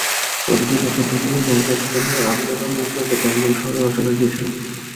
ওদিকে বছর দুয়েক আগে গণতন্ত্রকামী আমব্রেলা মুভমেন্টের কারণে শহর অচল হয়ে গিয়েছিল।